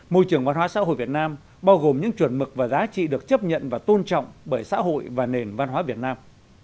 môi trường văn hóa xã hội việt nam bao gồm những chuẩn mực và giá trị được chấp nhận và tôn trọng bởi xã hội và nền văn hóa việt nam